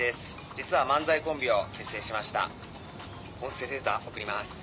「実は漫才コンビを結成しました音声データ送ります」